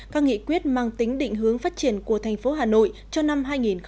các nghị quyết mang tính định hướng phát triển của thành phố hà nội cho năm hai nghìn hai mươi